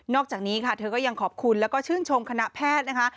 อกจากนี้ค่ะเธอก็ยังขอบคุณแล้วก็ชื่นชมคณะแพทย์นะคะ